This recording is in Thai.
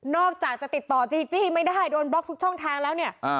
อกจากจะติดต่อจีจี้ไม่ได้โดนบล็อกทุกช่องทางแล้วเนี่ย